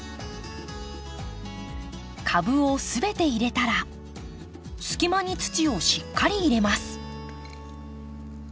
株を全て入れたら隙間に土をしっかり入れます。